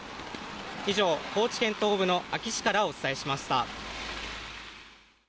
以上、高知県東部の安芸市からお伝えしました。